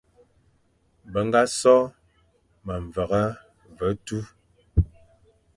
Be ñga sô memveghe ve tu,